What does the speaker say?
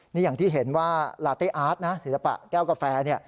นี่อย่างที่เห็นว่าลาเต้อาร์ตนะศิลปะแก้วกาแฟ